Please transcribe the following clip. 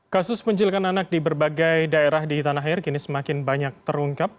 kasus penjilikan anak di berbagai daerah di tanah air kini semakin banyak terungkap